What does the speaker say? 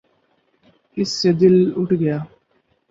اس سے دل اٹھ گیا۔